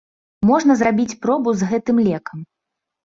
Можна зрабіць пробу з гэтым лекам.